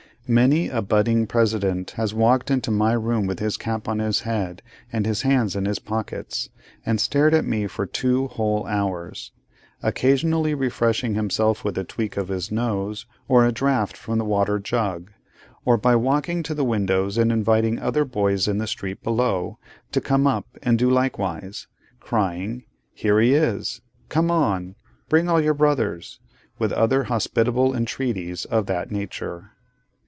Many a budding president has walked into my room with his cap on his head and his hands in his pockets, and stared at me for two whole hours: occasionally refreshing himself with a tweak of his nose, or a draught from the water jug; or by walking to the windows and inviting other boys in the street below, to come up and do likewise: crying, 'Here he is!' 'Come on!' 'Bring all your brothers!' with other hospitable entreaties of that nature.